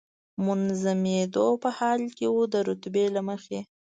منظمېدو په حال کې و، د رتبې له مخې.